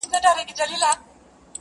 څه وکړمه لاس کي مي هيڅ څه نه وي.